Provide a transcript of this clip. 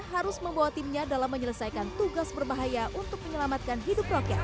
harus membawa timnya dalam menyelesaikan tugas berbahaya untuk menyelamatkan hidup roket